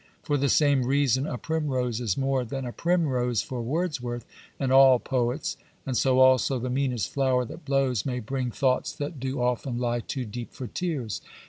For the same reason a primrose is more than a primrose for Wordsworth and all poets, and so also " the meanest flower that blows may bring thoughts that do often lie too deep for tears."